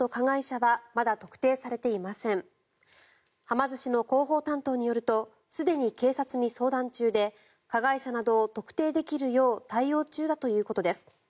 はま寿司の広報担当によるとすでに警察に相談中で加害者などを特定できるよう対応中だということです。